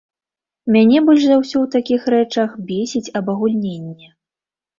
Мяне больш за ўсё ў такіх рэчах бесіць абагульненне.